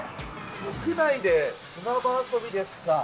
屋内で砂場遊びですか。